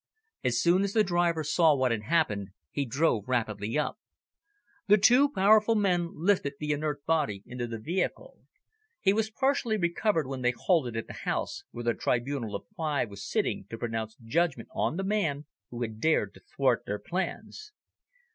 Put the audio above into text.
As soon as the driver saw what had happened, he drove rapidly up. The two powerful men lifted the inert body into the vehicle. He was partially recovered when they halted at the house where the tribunal of five was sitting to pronounce judgment on the man who had dared to thwart their plans.